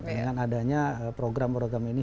dengan adanya program program ini